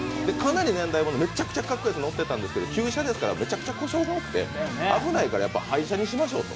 年代物でかっこよかったんですけど旧車ですから、めちゃくちゃ故障が多くて危ないから廃車にしましょうと。